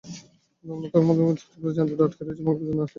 রমনা থানার সামনে তীব্র যানজটে আটকে আছে মগবাজারমুখী নানা শ্রেণির পরিবহন।